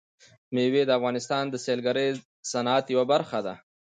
مېوې د افغانستان د سیلګرۍ د صنعت یوه برخه ده.